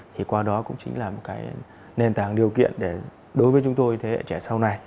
thì qua đó cũng chính là một cái nền tảng điều kiện để đối với chúng tôi thế hệ trẻ sau này